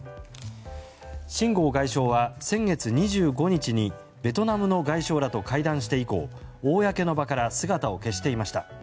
シン・ゴウ外相は先月２５日にベトナムの外相らと会談して以降公の場から姿を消していました。